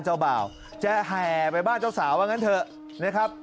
เจ้าเบ่าจะแห่ไปบ้านเจ้าสาวว่างั้นเถอะ